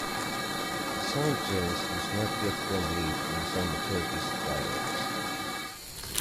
The sound change is not yet complete in some Turkish dialects.